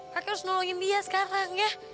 keke harus tolongin lia sekarang ya